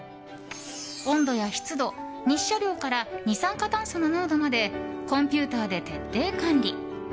温度や湿度日射量から二酸化炭素の濃度までコンピューターで徹底管理。